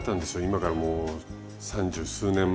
今からもう三十数年前。